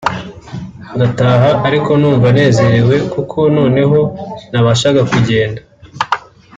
ndataha ariko numva nezerewe kuko noneho nabashaga kugenda